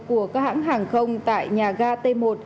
của các hãng hàng không tại nhà ga t một